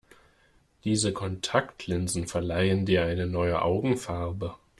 Diese Kontaktlinsen verleihen dir eine neue Augenfarbe.